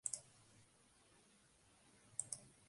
En medio de esta coyuntura adversa surgió el Partido Panameñista.